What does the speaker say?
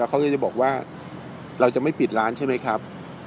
เขาก็จะบอกว่าเราจะไม่ปิดร้านใช่ไหมครับ